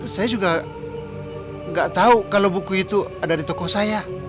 saya juga gak tau kalo buku itu ada di toko saya